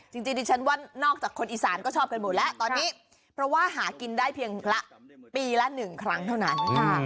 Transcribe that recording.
จริงดิฉันว่านอกจากคนอีสานก็ชอบกันหมดแล้วตอนนี้เพราะว่าหากินได้เพียงละปีละ๑ครั้งเท่านั้น